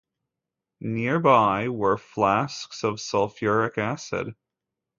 Nearby were flasks of sulphuric acid.